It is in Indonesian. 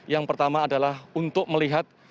yang pertama adalah untuk melihat